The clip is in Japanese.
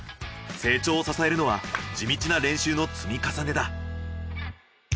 成長を支えるのは地道な練習の積み重ねだ。